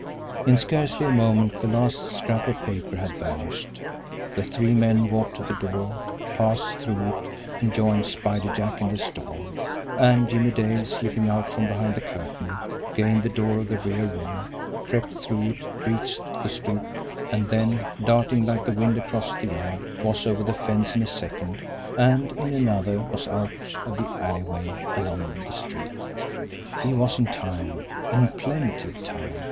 In scarcely a moment, the last scrap of paper had vanished. The three men walked to the door, passed through it, and joined Spider Jack in the store and Jimmie Dale, slipping out from behind the curtain, gained the door of the rear room, crept through it, reached the stoop, and then, darting like the wind across the yard, was over the fence in a second, and in another was out of the alleyway and on the street. He was in time in plenty of time.